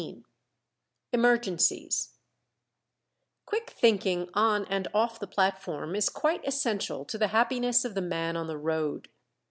XV EMERGENCIES Quick thinking on and off the platform is quite essential to the happiness of the man on the road.